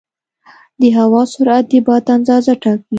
د هوا سرعت د باد اندازه ټاکي.